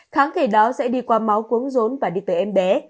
kháng thể đó sẽ đi qua máu quấn rốn và đi tới em bé